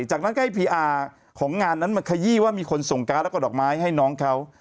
จากนั้นก็ให้พีอาร์ของงานนั้นมาขยี้ว่ามีคนส่งการ์ดแล้วก็ดอกไม้ให้น้องเขา